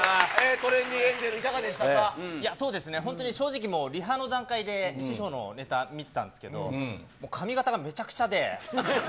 トレンディエンジェル、いかがでいや、そうですね、本当に正直もう、リハの段階で師匠のネタ、見てたんですけど、もう髪形がめちゃくちゃで。